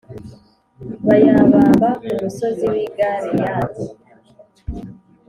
bayabamba ku musozi w i Galeyadi